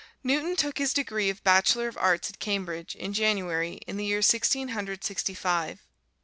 Newton took his degree of Bachelor of Arts at Cambridge, in January, in the year Sixteen Hundred Sixty five.